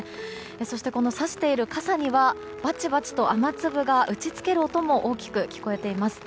そして、このさしている傘にはバチバチと雨粒が打ち付ける音が大きく聞こえています。